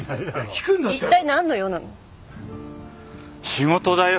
仕事だよ。